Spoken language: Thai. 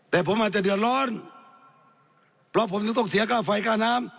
แต่ผมอาจจะเดือดร้อนเพราะผมถึงต้องเสียค่าไฟค่าน้ำ